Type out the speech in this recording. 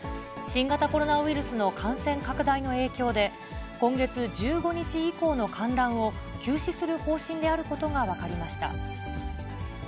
新型コロナウイルスの感染拡大の影響で、今月１５日以降の観覧を、休止する方針であることが分かりました。